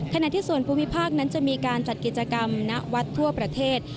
ขณะที่ส่วนภูมิภาคนั้นจะมีการจัดกิจกรรมณวัดทั่วประเทศ